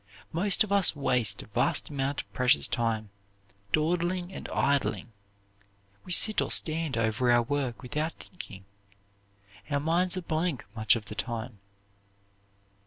Most of us waste a vast amount of precious time dawdling and idling. We sit or stand over our work without thinking. Our minds are blank much of the time.